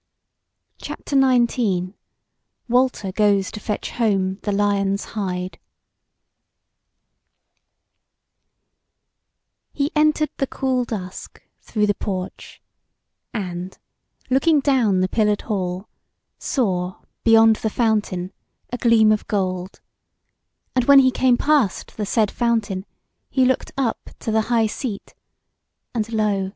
CHAPTER XIX: WALTER GOES TO FETCH HOME THE LION'S HIDE He entered the cool dusk through the porch, and, looking down the pillared hall, saw beyond the fountain a gleam of gold, and when he came past the said fountain he looked up to the high seat, and lo!